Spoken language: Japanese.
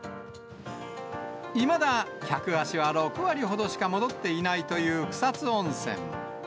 いまだ客足は６割ほどしか戻っていないという草津温泉。